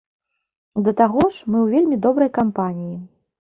Да таго ж, мы ў вельмі добрай кампаніі.